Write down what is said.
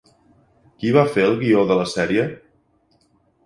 Qui va fer el guió de la sèrie?